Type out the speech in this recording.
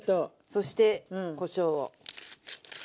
そしてこしょうを。